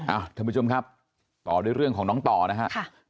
ท่านผู้ชมครับต่อด้วยเรื่องของน้องต่อนะฮะ